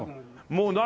もう何？